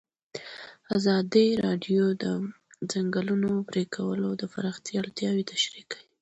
ازادي راډیو د د ځنګلونو پرېکول د پراختیا اړتیاوې تشریح کړي.